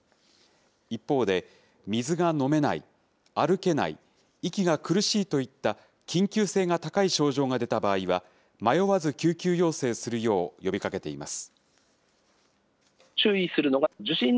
一方で、水が飲めない、歩けない、息が苦しいといった緊急性が高い症状が出た場合は、迷わず救急要請するよう呼びかけています。